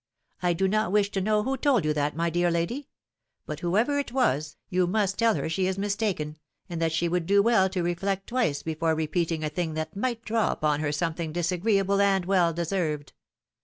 I do not wish to know who told you that, my dear lady; but, whoever it was, you must tell her she is mistaken, and that she would do well to reflect twice before repeating a thing that might draw upon her some thing disagreeable and well deserved.